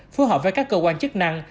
phù hợp với các cơ quan chức năng